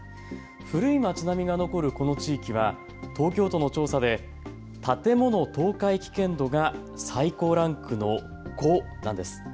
古い町並みが残るこの地域は東京都の調査で建物倒壊危険度が最高ランクの５なんです。